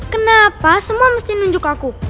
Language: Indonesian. kenapa semua mesti nunjuk aku